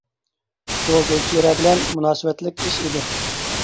-بۇ گۈلچېھرە بىلەن مۇناسىۋەتلىك ئىش ئىدى.